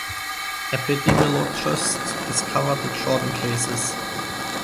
Epidemiologists discovered the Jordan cases.